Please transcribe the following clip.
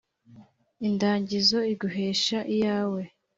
Indagizo iguhesha iyawe.